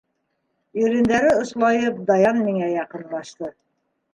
— Ирендәре ослайып, Даян миңә яҡынлашты.